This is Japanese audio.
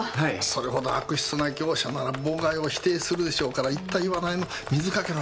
それほど悪質な業者なら妨害を否定するでしょうから言った言わないの水掛け論になりますな。